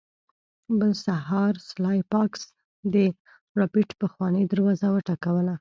بل سهار سلای فاکس د ربیټ پخوانۍ دروازه وټکوله